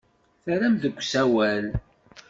Terram deg usawal.